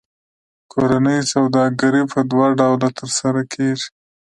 کورنۍ سوداګري په دوه ډوله ترسره کېږي